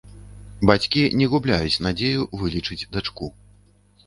Бацькі не губляюць надзею вылечыць дачку.